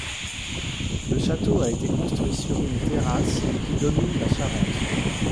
Le château a été construit sur une terrasse qui domine la Charente.